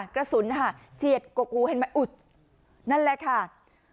กระสุนเฉียดกกหูเห็นไหมอุดนั่นแหละค่ะ